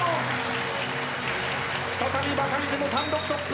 再びバカリズム単独トップ。